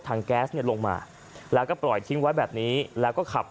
แก๊สเนี่ยลงมาแล้วก็ปล่อยทิ้งไว้แบบนี้แล้วก็ขับ